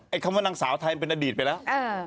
คำว่านางสาวไทยมันเป็นอดีตไปแล้ว